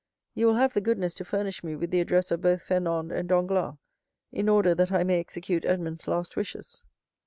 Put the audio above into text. You will have the goodness to furnish me with the address of both Fernand and Danglars, in order that I may execute Edmond's last wishes."